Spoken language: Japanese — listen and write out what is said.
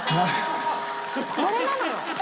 これなのよ。